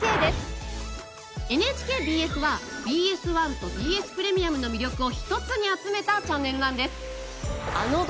ＮＨＫＢＳはＢＳ１とＢＳプレミアムの魅力を一つに集めたチャンネルなんです。